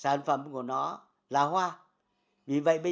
phải học cái tâm của người làm nghệ thuật sau đó mới học nghề